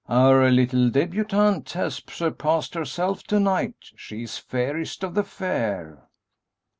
"Our little débutante has surpassed herself to night; she is fairest of the fair!"